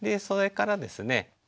それからですね